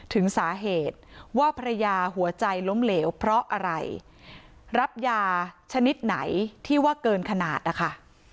ถึงสาเหตุว่าภรรยาหัวใจล้มเหลวเพราะอะไรรับยาชนิดไหนที่ว่าเกินขนาดนะคะ